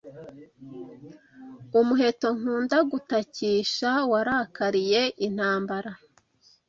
Umuheto nkunda gutakisha warakariye intambara